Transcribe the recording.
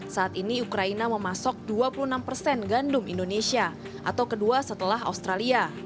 saat ini ukraina memasok dua puluh enam persen gandum indonesia atau kedua setelah australia